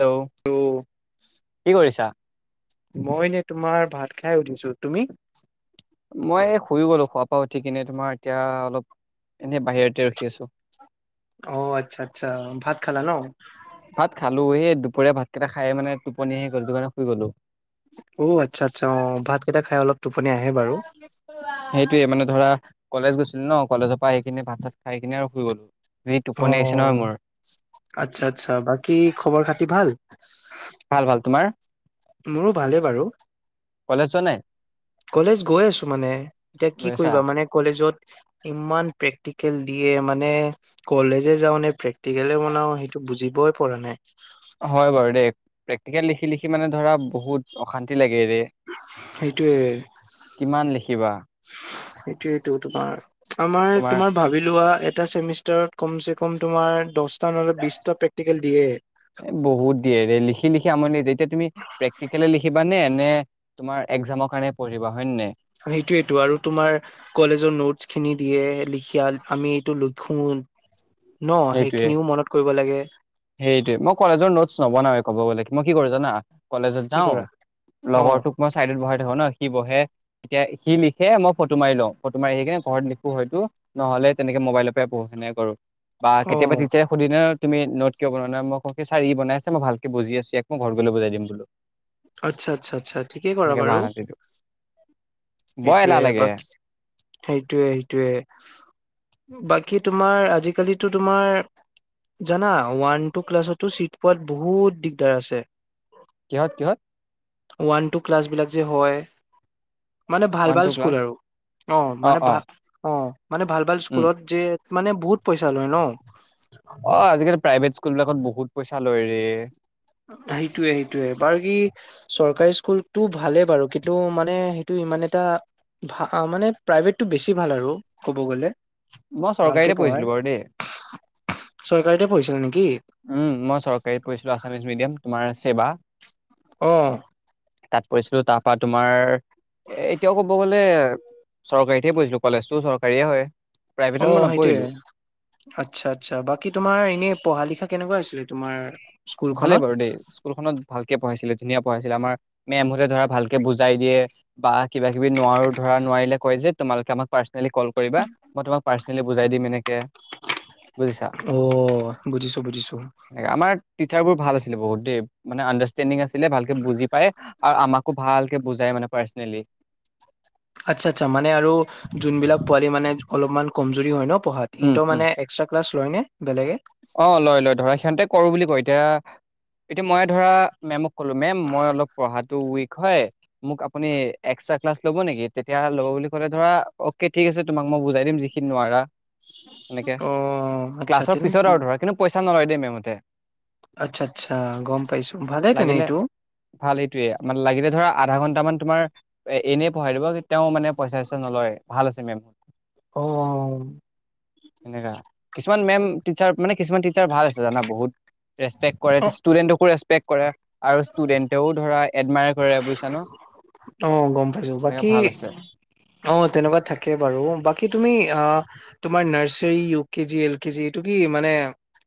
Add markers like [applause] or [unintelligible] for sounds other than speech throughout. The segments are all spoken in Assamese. হেল্ল', ত' কি কৰিছা? মই এনে তোমাৰ ভাত খাই উঠিছো। তুমি? মই এই শুই গ'লো খোৱা পা উঠি কিনে তোমাৰ, এতিয়া অলপ এনে বাহিৰতে ৰখি আছো। অ' আচ্ছা আচ্ছা, ভাত খালা ন? ভাত খালো। সেই দুপৰীয়া ভাতকেইটা খাই মানে টোপনি আহি গ'ল। সেইটোকাৰণে শুই গ'লো। অ' আচ্ছা আচ্ছা, অ' ভাতকেইটা খাই অলপ টোপনি আহে। বাৰু। সেইটোৱে, মানে ধৰা কলেজ গৈছিলোঁ ন! কলেজত, পাই কিনে, ভাত-চাত খাই কিনে আৰু শুই গ'লো। যি টোপনি আহিছে নহয় অ' মোৰ আচ্ছা, আচ্ছা। বাকী খবৰ-খাতি ভাল? ভাল ভাল তোমাৰ মোৰো ভালেই বাৰু। কলেজ যোৱা নাই? কলেজ গৈ আছো মানে। এতিয়া কি গৈছা? কৰিবা মানে, কলেজত। ইমান প্ৰেক্টিকেল দিয়ে মানে, কলেজে যাও নে, প্ৰেক্টিকলে বনাও সেইটো বুজিবই পৰা নাই! হয় বাৰু দেই প্ৰেক্টিকেল লিখি লিখি মানে ধৰা বহুত, অশান্তি লাগে। ৰে, সেইটোয়ে কিমান লিখিবা? সেইটোৱেটো তোমাৰ, আমাৰ তোমাৰ ভাবি লোৱা। এটা চেমিষ্টাৰত কমছে কম তোমাৰ দশ নহ'লে বিছটা প্ৰেক্টিকেল দিয়ে। লিখি-লিখি আমনি লাগি যায়। এতিয়া তুমি প্ৰেক্টিকেলে লিখিবা নে! নে তোমাৰ একজামৰ কাৰণে পঢ়িবা হয় নে নাই? সেইটোৱেটো, আৰু তোমাৰ কলেজৰ নোটছখিনি দিয়ে, লিখি আমি এইটো হয়', সেইটোৱে, সেইটোৱে মই কলেজৰ নোটচ, নবনায়ে ক'ব গলে, মই কি কৰোঁ জানা? কলেজত কি যাওঁ কৰা অ লগৰটোক মই চাইডত বহাই, ধৰ না, সি বহে এতিয়া সি লিখে, মই ফটো মাৰি লওঁ, ফটো মাৰি কিনে ঘৰত লিখোঁ হয়তো নহলে তেনেকে মোবাইলতে পঢ়ো হেনেকে কৰোঁ। বা', অ কেতিয়াবা টিচাৰে সুধিলে ন তুমি নট কিয় বনোৱা নাই, মই কওঁ কি ছাৰ ই বনাই আছে মই ভাল কে বুজি আছোঁ, ইয়াক মই ঘৰত গ'লে বুজাই দিম বোলোঁ। আচ্ছা', - আচ্ছা', - আচ্ছা', ঠিকেই কৰা বাৰু। বাহানা দি দিওঁ বৰ এলাহ এইটোৱে, লাগে বাকী সেইটোৱে সেইটোৱে। বাকী, তোমাৰ আজিকালিতো তোমাৰ, জানা ওৱান টু ক্লাছতো চিট পোৱাত বহুত দিগদাৰ আছে। কিহত কিহত? ওৱান টু ক্লাছবিলাক যে হয়। মানে ভাল ওৱান ভাল টু স্কুল ক্লাছ আৰু অ', মানে ভা, অ', মানে ভাল ভাল উম স্কুলত যে, মানে বহুত পইচা লয় ন? অ', আজিকালি প্ৰাইভেট স্কুলবিলাকত বহুত পইচা লয় ৰে। সেইটোয়ে সেইটোয়ে বাৰু কি। চৰকাৰী স্কুলতটো ভালেই বাৰু কিন্তু মানে সেইটো ইমান এটা ভা, মানে প্ৰাইভেটটো বেছি ভাল আৰু ক'ব গ'লে। মই ভালকে চৰকাৰীতে পঢ়াই পঢ়িছিলোঁ বাৰু দেই। পঢ়িছিলে নি, উম', মই চৰকাৰীত পঢ়িছিলোঁ আছামিছ মিডিয়াম। তোমাৰ ছেবা অহ', তাত পঢ়িছিলোঁ, তাৰপৰা তোমাৰ, এ', এতিয়া ক'ব গ'লে, চৰকাৰীত হে পঢ়িছিলো, কলেজটো চৰকাৰী এই হয়। প্ৰাইভেটত মই অ', সেইটোয়ে, নপঢ়িলোঁ, আচ্ছা, আচ্ছা, বাকী তোমাৰ এনেই পঢ়া লিখা, কেনেকুৱা হৈছিলে তোমাৰ? ভালেই স্কুলখনত বাৰু দেই স্কুলখনত ভাল ভালকে পঢ়াইছিলে, ধুনীয়া পঢ়াইছিলে আমাৰ মে'মহতে ধৰা ভালকে বুজাই দিয়ে বা কিবা কিবি নোৱাৰো ধৰা নোৱাৰিলে কয় যে তোমালোকে আমাক পাৰ্চনেলী কল কৰিবা মই তোমাক পাৰ্চনেলী বুজাই দিম এনেকে। বুজিছা, অওওও, বুজিছোঁ বুজিছোঁ। ট্ৰচাৰ বোৰ ভাল আছিলে বহুত দেই, মানে আণ্ডাৰষ্টেণ্ডিং আছিল পঢ়িলে ভালকে বুজি পায়, আ', আৰু আমাকো ভালকে বুজাই মানে পাৰ্চনেলী। আচ্ছা, আচ্ছা, মানে আৰু যোনবিলাক পোৱালী মানে অলপমান কমজুৰি হয় ন পঢ়াত, হেতৰ মানে এক্সট্ৰা ক্লাছ লয়নে বেলেগে। অঁ লয় লয় ধৰা সিহঁতে কৰো বুলি কয় এতিয়া এতিয়া মই ধৰা মেম ক'লো মেম মই অলপ পঢ়াটো উইক হয়। মোক আপুনি এক্সট্ৰা ক্লাছ ল'ব নেকি তেতিয়া ল'ব বুলি ক'লে ধৰা অকে ঠিক আছে তোমাক মই বুজাই দিম যিখিনি নোৱাৰা। এনেকে অঁ আচ্ছা। ক্লাছৰ পিছত আৰু ধৰা কিন্তু নলয় দেই মেমহতে। আচ্ছা আচ্ছা গম পাইছো ভালে তেনে লাগিলে এইটো ভাল এইটোৱে মানে লাগিলে ধৰা আধা ঘন্টা। কেইটামান তোমাৰ। এ এনেই পঢ়াই দিব। তেওঁ মানে পইচা চইচা নলয় ভাল আছে মেম। অঁ সনেকা কিছুমান মেম। টিচাৰ মানে কিছুমান টিচাৰ ভাল আছে জানা বহুত। অ ৰেচপে্ট ষ্টুডেটো ৰেপেকট। কৰে আৰু ষ্টুডেণ্টেও ধৰা। মাৰে কৰে বুজিছা নো! অঁ গম পাইছো বাকী আছে অ তেনেকুৱা থাকে বাৰু বাকী। তুমি তোমাৰ nursery U KG L K G এইটো কি মানে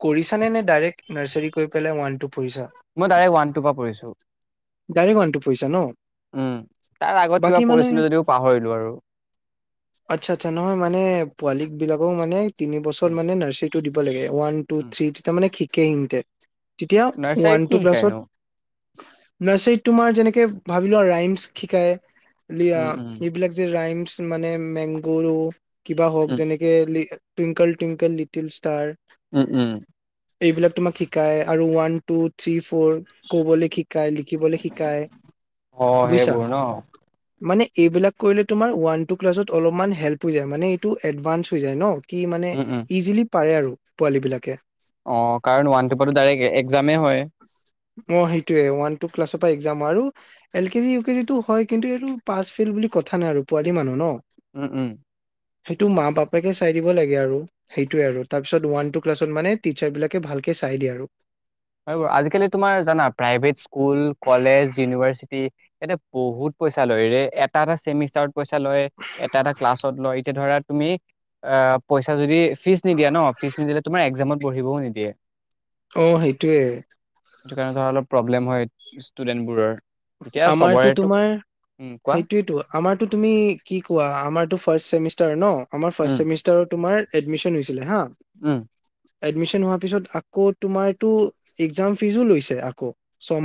কৰিছা নে নে ডাৰেক্ট নাৰ্চাৰী কৰি পেলাই পঢ়িছা মই ডাইৰেক্ট ওৱান টুৰ পৰা পঢ়িছো। ডাৰেক্ট ওৱান টো পইচাঁ ন! উম তাৰ আগত কিবা বাকী মানে পঢ়িছিলো যদিও পাহৰিলো আৰু আচ্ছা আচ্ছা নহয় মানে পোৱালি। বিলাকো মানে। তিনি বছৰ উম মানে নাৰৰ্চী। টো দিব লাগে। ওৱান টো উম থ্ৰী তেতিয়া মানে কি? কেমটে তেতিয়া ওৱান নাৰ্চাৰীত টু কি ক্লাছৰ। শিকাইনো নাচাৰিত তোমাৰ যেনেকে ভাবি লোৱা ৰাইমচ। শিকায়ে। উম উম লিয়া এইবিলাক যে ৰাইম। মানে মেংগুৰো। কিবা হওঁক উম যেনেকে।। Twinkle, twinkle little star. উম উম এইবিলাক তোমাক শিকাই আৰু ওৱান টু থ্ৰী ফ'ৰ ক'বলৈ ষি কাই লিখিবলৈ শিকায় অ বুজিছা সেইবোৰ ন মানে এইবিলাক কৰিলে তোমাৰ ওৱান টু ক্লাছত অলপমান হেল্প হৈ যায় মানে এইটো এডভানস হৈ যায় ন, কি মানে উম উম ইজিলি পাৰে আৰু পোৱালী বিলাকে অ কাৰণ ওৱান টুপাটো ডাইৰেক্ট একজামে হয় অ সেইটোয়ে ওৱান টু ক্লাছৰ পৰা একজাম আৰু এল কেজি ইউ কেজি টো হয় কিন্তু এইটো পাচ ফেল বুলি কথা নাই আৰু পোৱালি মানুহ ন উম উম সেইটো মা বাপেকে চাই দিব লাগে আৰু সেইটোৱে আৰু তাৰপিছত ওৱান টু ক্লাছত মানে টিচাৰ বিলাকে ভালকে চাই দিয়ে আৰু হয়, আৰু আজিকালি তোমাৰ জানা প্ৰাইভেট স্কুল কলেজ ইউনিভাৰ্চিটি য়াতে বহুত পইচা লয় এটা এটােমিষ্টাৰত পইচা লয় এটা এটা ক্লাছত লয় এতিয়া ধৰা তুমি আ পইচা যদি, ফিজ নিদিয়া ন ফিজ নিদিলে তোমাৰ একজামত বঢ়িবও নিদিয়ে অ সেইটোৱে সেইটো কাৰণে ধৰা অলপ প্ৰব্লেম হয় ষ্টুডেন্টবোৰৰ এতিয়া আমাৰ চবৰেতো তোমাৰ উম কোৱা সেইটোয়ে ত আমাৰো তুমি কি কোৱা আমাৰ ফাৰ্চ ছেমিচ তাৰ ন আমাৰ ফাৰ্ষ উম চেমিষ্টাৰ তোমাৰ এডমিশন হৈছিলে হা উম এডমিশন হোৱাৰ পিছত আকৌ তোমাৰতো একজাম ফিজো লৈছে আকৌ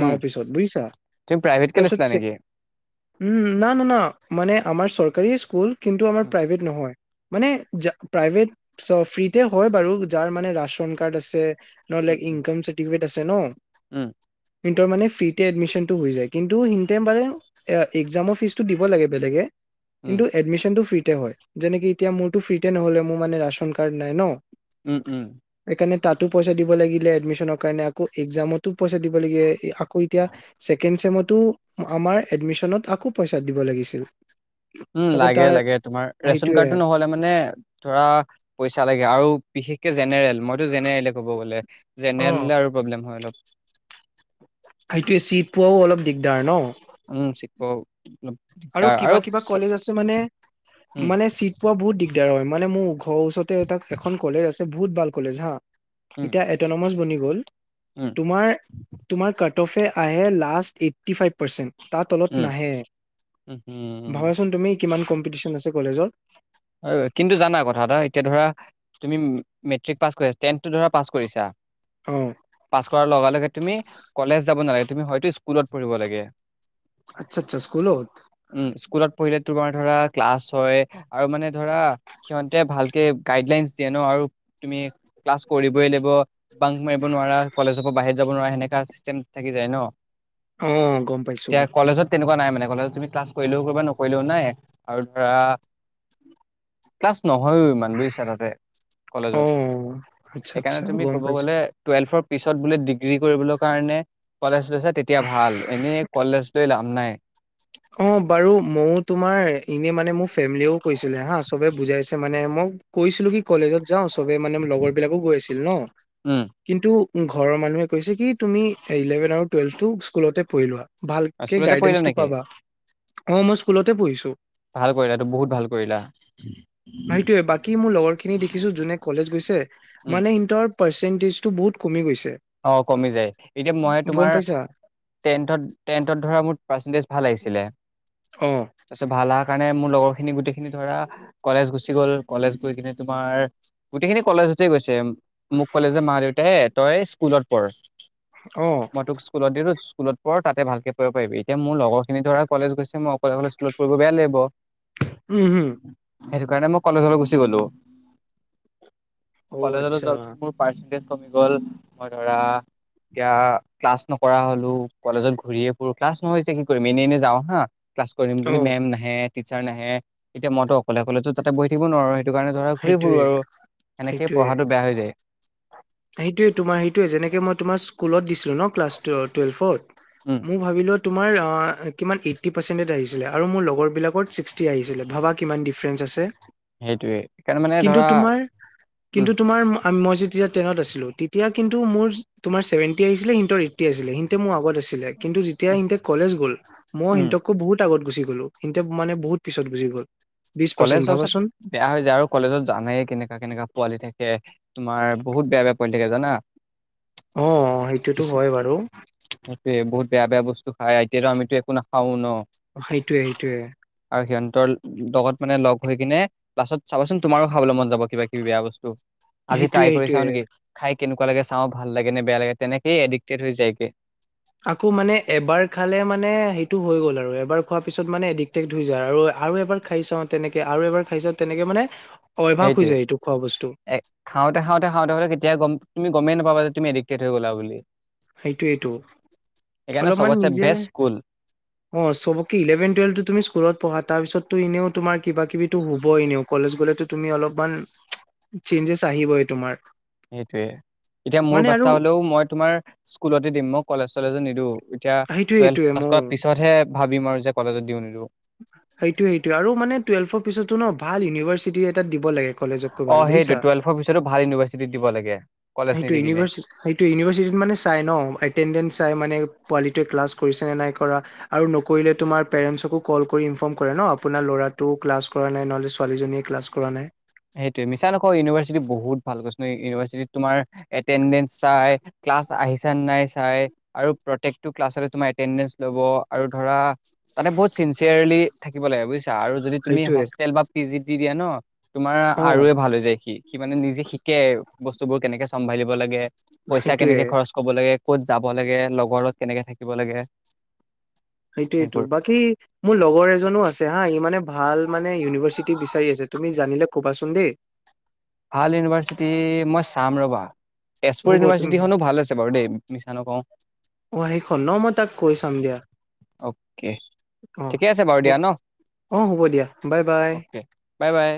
উম পিছত বুজিছা তুমি প্ৰাইভেটকে তাপিছত লৈছিলা নেকি? উম না না না মানে আমাৰ চৰকাৰী স্কুল কিন্তু আমাৰ উম প্ৰাইভেট নহয় মানে যা প্ৰাইভেট চ ফ্ৰীতে হয় বাৰু যাৰ মানে ৰাচন কাৰ্ড আছে, নহলে উম ইনকম চাৰ্টিফিকেট আছে ন উম ইহতৰ মানে ফ্ৰীতে এডমিচনটো হৈ যায়। কিন্তু সিনতে বাৰে একজামৰ ফিজটো দিব লাগে বেলেগকে উম কিন্তু এডমিশনটো ফ্ৰী তে হয় যেনেকে এতিয়া মোৰতো ফ্ৰীতে নহলে মোৰ মানে ৰাচন কাৰ্ড নাই ন উম উম তেনে তাতো পইচা দিব লাগিলে এডমিশনৰ কাৰণে আক একজামতো পইচা দিব লাগে আকৌ এতিয়া ছেকেণ্ড ছেমত তো আমাৰ এডমিশনত আকৌ পইচা দিব লাগিছিল‌। উম লাগে লাগে তোমাৰ ৰেচন সেইটোয়ে কাৰ্ডটো নহ'লে মানে ধৰা পইচা লাগে। আৰু বিশেষকে জেনেৰেল মইতো জেনেৰেলে ক'ব গ'লে অ জেনেৰেল হ'লে আৰু প্ৰব্লেম হয় অলপ সেইটোৱে চিত পোৱাও অলপ দিগদাৰ ন অ আৰু কিবা কিবা কলেজ আছে মানে উম মানে চিট পোৱা বহুত দিগদাৰ হয় মানে মো ঘৰ ওচৰতে তাত এখন কলেজ আছে বহুত ভাল কলেজ হা উম এতিয়া এটনমাছ বনি গ গ'ল উম তোমাৰ তোমাৰ কাট অফে আহে লাষ্ট এইটি ফাইভ পাৰ্চেণ্ট তা তলত উম নাহে। উম উম ভাবাচোন তুমি কিমান কম্পিটিচন আ ছে কলেজত হয় কিন্তু জানা কথা এটা এতিয়া ধৰা তুমি মেট্ৰিক পাছ কৰিছা টেনটো ধৰা পাছ কৰিছা অ পাছ কৰাৰ লগে লগে তুমি কলেজ যাব নালাগে। তুমি হয়তো স্কুলত পঢ়িব লাগে। আচ্ছা আচ্ছা স্কুলত উম স্কুলত পঢ়িলে তোমাৰ ধৰা ক্লাছ হয়। আৰু মানে ধৰা সিহঁতে ভালকে গাইডলাইনচ দিয়ে ন আৰু তুমি ক্লাছ কৰিবই লাগিব বাং মাৰিব নোৱাৰা কলেজৰ পৰা বাহিৰত যাব নোৱাৰা সেনেকা চিষ্টেম। থাকি যায় ন। অ গম পাইছোঁ। এতিয়া কলেজত তেনেকুৱা নাই মানে কলেজত তুমি ক্লাছ কৰিলেও কৰিবা নকৰিলেও নাই আৰু ধৰা ক্লাছ ন নহয়ো ইমান বুজিছা তাতে অ কলেজত আচ্ছা সেইকাৰণে আচ্ছা তুমি গম ক'ব পাইছো গ'লে টুৱেলফৰ পিছত বোলে ডিগ্ৰী কৰিবলৈ কাৰণে কলেজ। গৈছা তেতিয়া ভাল এনে কলেজ লৈ লাভ নাই অ বাৰু মও তোমাৰ এনে মানে মো ফেমিলিও কৈছিলে হা চবে বুজাইছে মানে মোক কৈছিলো কি কলেজত যাওঁ সবে মানে লগৰ বিলাকো গৈ আছিল ন উম কিন্তু। উ ঘৰৰ মানুহে কৈছে কি তুমি ইলেভেন আৰু টুৱেলভ টো স্কুলতে পঢ়ি লোৱা। ভালকে স্কুলতে পঢ়িলা গাইডেন্সটো নেকি? পাবা। অ মই স্কুলতে পঢ়িছো। ভাল কৰিলা এইটো বহুত ভাল কৰিলা। সেইটোয়ে বাকী মোৰ লগৰ খিনি দেখিছো যোনে কলেজ গৈছে মানে সিহতৰ। পাৰ্চেণ্টেজটো বহুত কমি গৈছে। অ কমি যায় এতিয়া মই গম তোমাৰ পাইছা টেণ্টত টেণ্টত ধৰা মোৰ পাৰ্চেন্টেজ। ভাল আহিছিল তাৰ অ', পিছত ভাল। খলা কাৰণে মোৰ লগৰ খিনি গোটেইখিনি ধৰা কলেজ গুচি গ'ল কলেজ গৈ কিনে তোমাৰ গোটেই খিনি কলেজতে গৈছে। মোক কলে যে মা, দেউতাই। তই। স্কুলত পৰ। অ', মই তোক স্কুলত দি দিও। স্কুলত পঢ় তাতে ভালকৈ কৰিব পাৰিবি এতিয়া মোৰ লগৰ। স খিনি ধৰা কলেজ গছে মই অকলে স্কুলত পঢ়িব বেয়া লাগিব।। উম, উম। সেইটো কাৰণে মই কলেজলৈ গুচি গলো। অ', কলেজটো আচ্ছা যোৱা পাছত মোৰ পাৰ্চেন্টেজ। কমি গ'ল। মই ধৰা এতিয়া ক্লাছ নকৰা হলো কলেজত ঘূৰিয়ে ফুৰো ক্লাছ নহয় এতিয়া কি কৰিম এনে এনে যাওঁ হা। ক্লাছ কৰিম বুলি অ', মেম নাহে। টিচাৰ নাহে এতিয়া মইতো অকলে অকলেতো তাতে বহি থাকিব নোৱাৰো। সেইটো কাৰণে ধৰা ঘূৰি ফুুৰো সেইটোয়ে আৰু সেনেকেই সেইটোয়ে পঢ়াটো বেয়া হৈ যায়। [unintelligible] সেইটোয়ে তোমাৰ সেইটোয়ে যেনেকে মই তোমাৰ। স্কুলত দিছিলো ন ক্লাছ টুৱেলফ'ত। উম মই ভাবিলো তোমাৰ অ। কিমান এইটি পাৰ্চেণ্টিত আহিছিলে আৰু মোৰ লগৰ বিলাকৰ ছিক্সটি আহিছিলে ভাবা কিমান দিফাৰেন্স আছে। সেইটোয়ে সেইকাৰণে মানে ধৰা উম। আমি মই যেতিয়াত। টেনত আছিলো তেতিয়া কিন্তু মোৰ তোমাৰ ছেভেনটি আছিলে সিহঁতৰ এইটি আছিলে সিহতে মোৰ আগত আছিলে কিন্তু যেতিয়া সিহতে কলেজ গ'ল। মই উম হেটতকে বহুত আগত গুচি গলো। গলো সিহঁতে মানে বহুত পিছত গুচি গ'ল। বিশ পাৰ্চেন্ট কলেজ যোৱাৰ পিছত, ভাবাচোন বেয়া হৈ যায় আৰু কলেজত জানেই কেনেককা কেনেককা পোৱালি থাকে। তোমাৰ বহুত বেয়া বেয়া পৰি থাকে জানা। অঁ সেইটোতো হয় বাৰু। বহু বেয়া বে বস্তু। খাই এতিয়াতো আমো একো না খাওঁ ন সেইটোয়ে সেইটোয়ে আৰু সিহন। লগত। মানে লগ হৈ কিনে লাছত চাবচোন তোমাৰো খাবলৈ মন যাব কিবা কিবি বেয়া বস্তু। আজি ট্ৰাই সেইটোয়ে কৰি চাওঁ সেইটোয়ে নেকি খাই। কেনেকুৱা লাগে চাওঁ ভাল লাগে নে বেয়া লাগে তেনেকয়ে এডিক্টেড হৈ যায়গে। আকৌ মানে এবাৰ খালে মানে সেইটো হৈ গ'ল আৰু এবাৰ খোৱাৰ পিছত মানে এডিক্টেক্ট হৈ যায় আৰু আৰু এবাৰ খাই চাওঁ তেনেকে আৰু এবাৰ খাই চাওঁ তেনেকে মানে। অভ্যাস হৈ এইটোৱে, যায় এইটো খোৱা বস্তু এ খাওঁতে খাওঁতে খাওঁতে খাওঁতে কেতিয়া গম। তুমি গমেই নাপাবা তুমি এডিক্টে হৈ গ'লা বুলি। সেইটোইটো সেইকাৰণে অলপমান চবতছে নিজে, বেষ্ট স্কুল অ চবকে ইলেভেন টুৱেলভ তুমি স্কুলত পঢ়া তাৰপিছত। তো এনেও তোমাৰ। কিবা কিবি হ'বই এনেওঁ। কলেজ গ'লেতো তুমি অলপমান, চেঞ্জেছ আহিবই তোমাৰ। সেইটোয়ে এতিয়া মোৰ মানে আৰু বাচ্ছা হলেও মই তোমাৰ। স্কুলতে দিম মই কলেজ চলেজো নিদু। এতিয়া সেইটোয়ে সেইটোয়ে টুৱেলভ পাছ মও কৰাৰ পিছতহে। ভাবিম আৰু যে কলেজত দিওঁ নিদওঁ। সেইটোয়ে সেইটোয়ে আৰু মানে টুৱেল্ভৰ পিছতো ন ভাল ইউনিভাৰ্চিটি। এটাত দিব লাগে কলেজতকৈ ভাল অঁ বুজিছা সেইটো টুৱেল্ফৰ পিছতো ভাল ইউনিভাৰ্চিটি দিব লাগে। কলেজ নিদি কিনে। সেইটোৱেই, সেইটোৱেই ইউনিভাৰচিটিৰ ত মানে চাঁই নহ ছোৱালীটোৱে ক্লাছ কৰিছে নে নাই কৰা আৰু নকৰিলে তোমাৰ পেৰেণ্টছকো কল কৰি ইনফৰ্ম কৰে ন আপোনাৰ ল'ৰাটো ক্লাছ কৰা নাই নহ'লে ছোৱালীজনীয়ে ক্লাছ কৰা নাই। ভালকৃষ্ণ ইউনিভাৰ্চিটিত তোমাৰ। এটেণ্ডেন্ঞ্চ চাই। ক্লাছ আহিছে নাই চাই, আৰু প্ৰতেকটো ক্লাছতে তোমাৰ এটেনডেঞ্চ লব আৰু ধৰা তাতে বহুত চিনচিয়াৰলি থাকিব লাগে বুজ। আৰু যদি তুমি সেইটোয়ে হোষ্টেল বা পি জি। দি দিয়া ন তোমাৰ অ আৰুে ভাল হৈ যায় সি। সি মানে নিজে শিকে বস্তুবোৰ কেনেকে চম্ভালিব লাগে। পইচা সেইটোয়ে কেনেকে খৰচ কব লাগে। ক'ত যাব লাগে লগৰ লগত কেনেকে থাকিব লাগে। সেইটোয়তটো সেইবোৰ বাকী, মোৰ লগৰ এজনো আছে হা ই মানে। ভাল মানে ইউনিভাৰ্চিটি বিচাৰি আছে তুমি জানিলে। কবাছোন দেই। ভাল ইউনিভাৰছিটি মই চাম ৰবা। তেজপুৰ হ'ব তুমি ইউনিভাৰ্চিটিখনো ভাল আছে বাৰু দেই মিছা নকওঁ। অ সেইখন ন মই তাক কৈ চাম দিয়া অ'কে অ ঠিকে আছে বাৰু দিয়া ন অ হ'ব দিয়া bye bye okay bye bye.